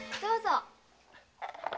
どうぞ。